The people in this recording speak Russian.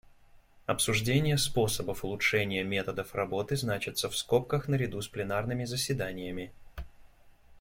Обсуждения способов улучшения методов работы значатся в скобках наряду с пленарными заседаниями.